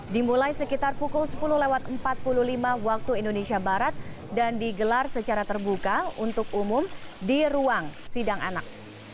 dimulai sekitar pukul sepuluh lewat empat puluh lima waktu indonesia barat dan digelar secara terbuka untuk umum di ruang sidang anak